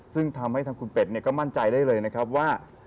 ซึ่งทำให้ทางคุณเป็ดก็มั่นใจได้เลยนะครับว่า